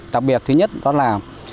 đặc biệt thứ nhất đó là